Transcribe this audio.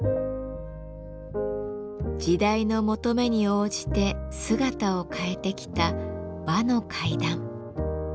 時代の求めに応じて姿を変えてきた和の階段。